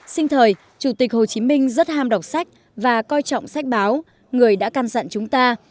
sinh thời chủ tịch hồ chí minh rất ham đọc sách và coi trọng sách báo người đã căn dặn chúng ta